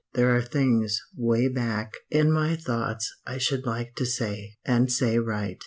There are things 'way back in my thoughts I should like to say, and say right.